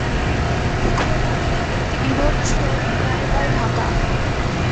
খোলা নীল একটা বীভৎস পরদায় ঢাকা।